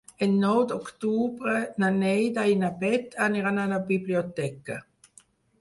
El nou d'octubre na Neida i na Bet aniran a la biblioteca.